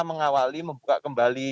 mengawali membuka kembali